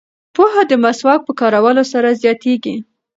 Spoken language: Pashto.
پوهه د مسواک په کارولو سره زیاتیږي.